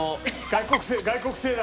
外国製。